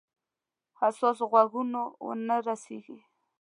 حساسو غوږونو ونه رسیږي.